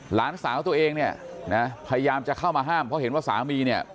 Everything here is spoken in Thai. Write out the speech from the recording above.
หลานสาวตัวเองเนี่ยนะพยายามจะเข้ามาห้ามเพราะเห็นว่าสามีเนี่ย